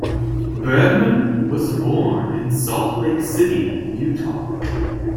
Bergman was born in Salt Lake City, Utah.